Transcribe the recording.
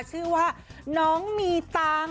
ชื่อว่าน้องมีตังค์